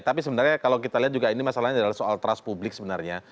tapi sebenarnya kalau kita lihat juga ini masalahnya adalah soal trust publik sebenarnya